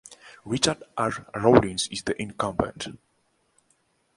Richard R. Rawlins is the incumbent.